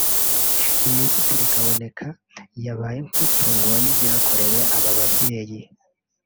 Minisitiri Kaboneka yabaye nk’utunguwe n’ibyakorewe aba babyeyi